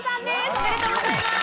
おめでとうございます！